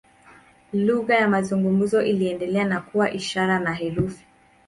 Lugha ya mazungumzo iliendelea na kuwa ishara na herufi.